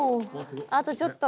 あとちょっと。